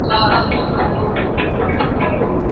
په لاس لیکل د ښوونځي د بنسټیزو مهارتونو څخه دی.